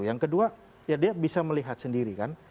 yang kedua ya dia bisa melihat sendiri kan